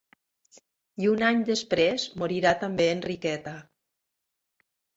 I un any després morira també Enriqueta.